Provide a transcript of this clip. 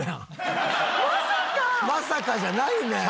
「まさか」じゃないねん。